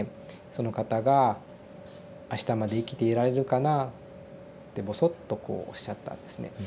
その方が「あしたまで生きていられるかな」ってぼそっとこうおっしゃったんですね。